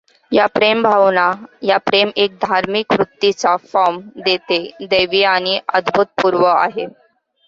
या प्रेम भावना या प्रेम एक धार्मिक वृत्तीचा फॉर्म देते दैवी आणि अभूतपूर्व आहे.